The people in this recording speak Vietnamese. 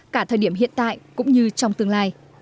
cả thời điểm hiện tại cũng như trong tương lai